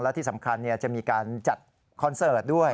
และที่สำคัญจะมีการจัดคอนเสิร์ตด้วย